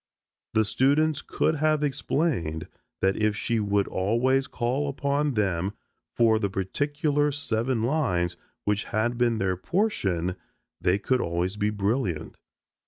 The students could have explained that if she would always call upon them for the particular seven lines which had been their portion they could always be brilliant.